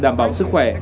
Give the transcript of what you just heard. đảm bảo sức khỏe